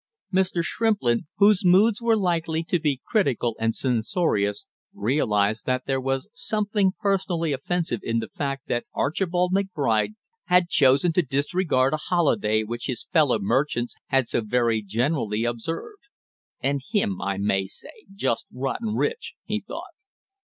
Mr. Shrimplin, whose moods were likely to be critical and censorious, realized that there was something personally offensive in the fact that Archibald McBride had chosen to disregard a holiday which his fellow merchants had so very generally observed. "And him, I may say, just rotten rich!" he thought.